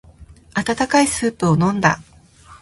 温かいスープを飲んだ。